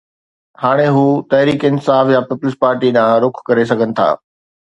هاڻي هو تحريڪ انصاف يا پيپلز پارٽي ڏانهن رخ ڪري سگهن ٿا